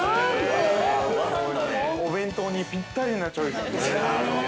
◆お弁当にぴったりなチョイスですね。